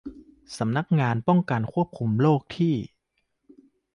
สำนักงานป้องกันควบคุมโรคที่